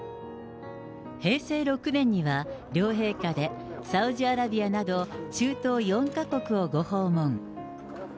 平成６年には、両陛下でサウジアラビアなど中東４か国をご訪問。